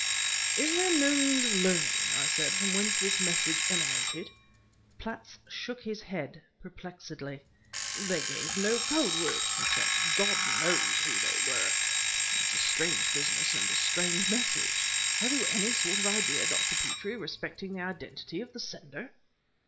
"Is there no means of learning," I said, "from whence this message emanated?" Platts shook his head, perplexedly. "They gave no code word," he said. "God knows who they were. It's a strange business and a strange message. Have you any sort of idea, Dr. Petrie, respecting the identity of the sender?"